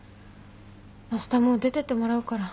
あしたもう出てってもらうから。